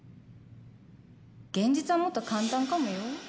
現実はもっと簡単かもよ。